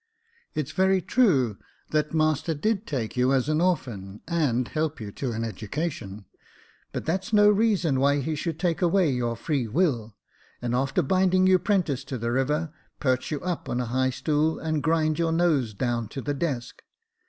It's very true, that master did take you as an orphan, and help you to an education ; but that's no reason why he should take away your free will, and after binding you 'prentice to the river, perch you up on a high stool, and grind your nose down to the desk.